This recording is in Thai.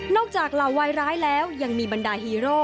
จากเหล่าวัยร้ายแล้วยังมีบรรดาฮีโร่